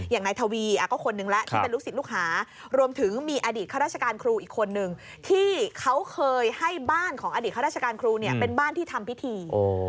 อย่างนายทวีก็คนนึงแล้วที่เป็นลูกศิษย์ลูกหารวมถึงมีอดีตข้าราชการครูอีกคนนึงที่เขาเคยให้บ้านของอดีตข้าราชการครูเนี่ยเป็นบ้านที่ทำพิธี